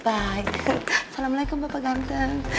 assalamualaikum papa ganteng